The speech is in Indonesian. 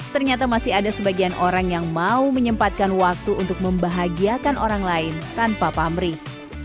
ternyata masih ada sebagian orang yang mau menyempatkan waktu untuk membahagiakan orang lain tanpa pamrih